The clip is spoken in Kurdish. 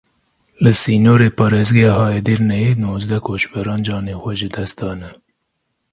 Li sînorê parêzgeha Edirneyê nozdeh koçberan canê xwe ji dest dane.